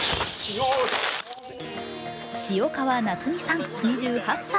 塩川夏美さん２８歳。